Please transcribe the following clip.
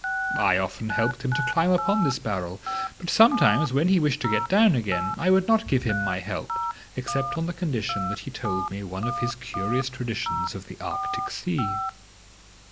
I often helped him to climb upon this barrel; but sometimes, when he wished to get down again, I would not give him my help except on the condition that he told me one of his curious traditions of the Arctic Sea.